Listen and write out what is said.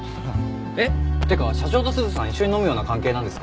えっ？ってか社長と鈴さん一緒に飲むような関係なんですか？